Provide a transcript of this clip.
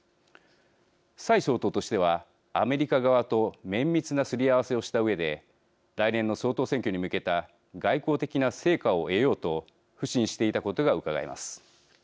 蔡総統としてはアメリカ側と綿密なすり合わせをしたうえで来年の総統選挙に向けた外交的な成果を得ようと腐心していたことがうかがえます。